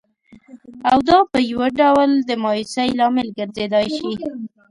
او دا په یوه ډول د مایوسۍ لامل ګرځېدای شي